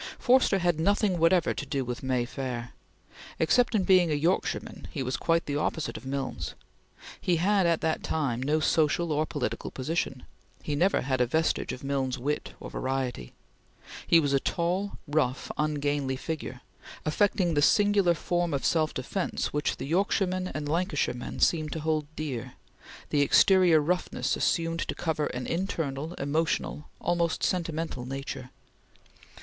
Forster had nothing whatever to do with May Fair. Except in being a Yorkshireman he was quite the opposite of Milnes. He had at that time no social or political position; he never had a vestige of Milnes's wit or variety; he was a tall, rough, ungainly figure, affecting the singular form of self defense which the Yorkshiremen and Lancashiremen seem to hold dear the exterior roughness assumed to cover an internal, emotional, almost sentimental nature.